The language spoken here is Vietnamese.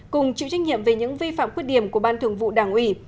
cùng chịu trách nhiệm về những vi phạm khuyết điểm của ban thường vụ đảng ủy